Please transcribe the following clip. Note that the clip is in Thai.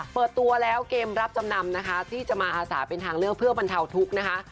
เปิดตัวแล้วเกมรับจำนำนะคะที่จะมาอาสาเป็นทางเลือกเพื่อบรรเทาทุกข์นะคะ